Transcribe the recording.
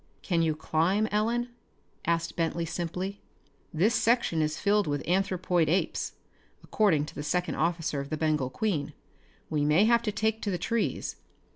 "Can you climb, Ellen?" asked Bentley simply. "This section is filled with anthropoid apes, according to the second officer of the Bengal Queen. We may have to take to the trees."